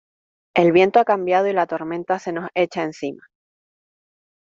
el viento ha cambiado y la tormenta se nos echa encima.